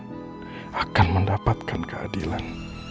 ibu akan mendapatkan keadilan